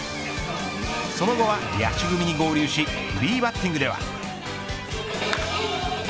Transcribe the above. その後は、野手組に合流しフリーバッティングでは。